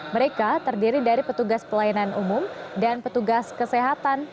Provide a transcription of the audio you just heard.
mereka terdiri dari petugas pelayanan umum dan petugas kesehatan